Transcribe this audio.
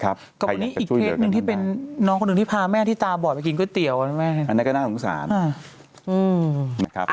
กับวันนี้อีกเคสหนึ่งที่เป็นน้องคนหนึ่งที่พาแม่ที่ตาบ่อยไปกินก๋วยเตี๋ยวนะแม่